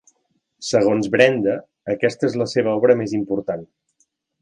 Segons Brenda, aquesta és la seva obra més important.